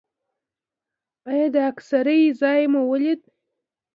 ایا د اکسرې ځای مو ولید؟